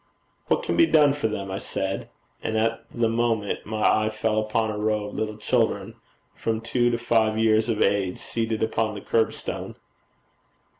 'What can be done for them?' I said, and at the moment, my eye fell upon a row of little children, from two to five years of age, seated upon the curb stone.